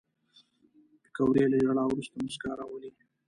پکورې له ژړا وروسته موسکا راولي